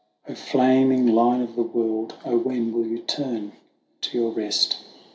a O flaming lion of the world, when will you turn to your rest ?